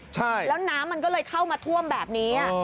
ใช่แล้วน้ำมันก็เลยเข้ามาท่วมแบบนี้